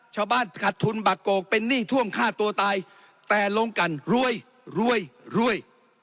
ชาวบ้านขัดทุนบากโกกเป็นหนี้ท่วมฆ่าตัวตายแต่โลกรรมรวยรวยรวย